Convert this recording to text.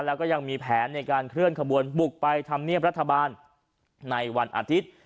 แล้วก็ยังมีแผนในการเคลื่อนขบวนบุกไปทำเนียบรัฐบาลในวันอาทิตย์